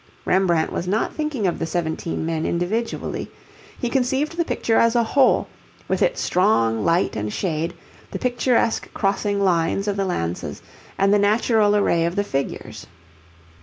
Rembrandt was not thinking of the seventeen men individually. He conceived the picture as a whole, with its strong light and shade, the picturesque crossing lines of the lances, and the natural array of the figures.